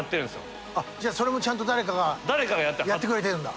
じゃあそれもちゃんと誰かがやってくれてるんだ。